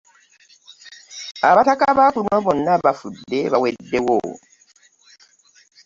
Abataka bakuno bona bafudde baweddewo.